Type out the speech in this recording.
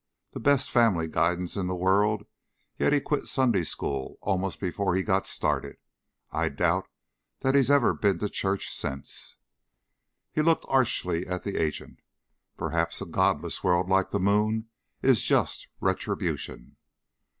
The best family guidance in the world, yet he quit Sunday school almost before he got started. I doubt that he's ever been to church since." He looked archly at the agent. "Perhaps a godless world like the moon is just retribution."